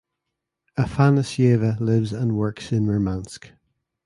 Afanasyeva lives and works in Murmansk.